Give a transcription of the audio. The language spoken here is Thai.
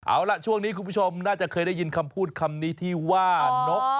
เอาล่ะช่วงนี้คุณผู้ชมน่าจะเคยได้ยินคำพูดคำนี้ที่ว่านก